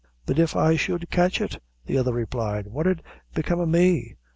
"But if I should catch it," the other replied, "what 'ud become o' me?